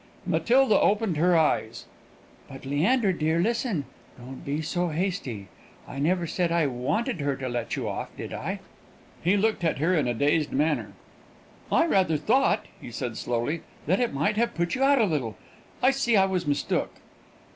Matilda opened her eyes. "But, Leander dear, listen; don't be so hasty. I never said I wanted her to let you off, did I?" He looked at her in a dazed manner. "I rather thought," he said slowly, "that it might have put you out a little. I see I was mistook."